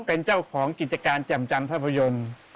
เป็นเจ้าของกิจการจำจันทรพยม